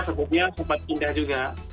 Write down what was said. sebutnya sempat pindah juga